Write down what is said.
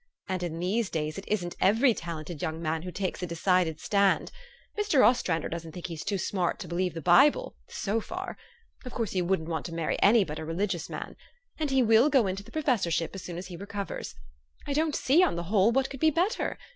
And in these days it isn't every talented young man who takes a decided stand. Mr. Ostran der doesn't think he's too smart to believe the Bible, so far. Of course you wouldn't marry any but a religious man. And he will go into the pro fessorship as soon as he recovers. I don't see, on the whole, what could be better.